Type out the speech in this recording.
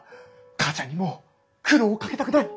母ちゃんにもう苦労をかけたくない。